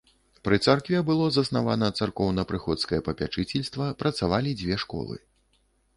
Пры царкве было заснавана царкоўна-прыходскае папячыцельства, працавалі дзве школы.